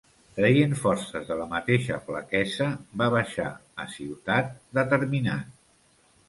Traient forces de la mateixa flaquesa, va baixar a ciutat determinat